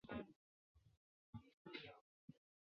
道光二十年中庚子科进士。